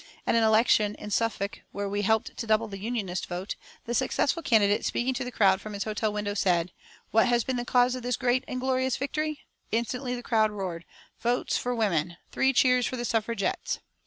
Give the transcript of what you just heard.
At an election in Suffolk, where we helped to double the Unionist vote, the successful candidate, speaking to the crowd from his hotel window, said, "What has been the cause of the great and glorious victory?" Instantly the crowd roared, "Votes for Women!" "Three cheers for the Suffragettes!"